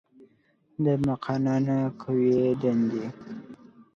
د مقننه قوې دندې